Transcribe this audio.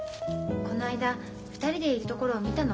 この間２人でいるところを見たの。